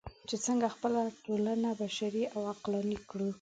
چې څنګه خپله ټولنه بشري او عقلاني کړو.